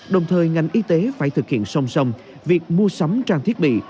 đồng thời ngành y tế phải thực hiện song song việc mua sắm trang thiết bị